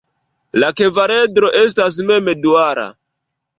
La kvaredro estas mem duala.